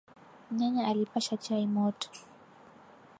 Nyanya alipasha chai moto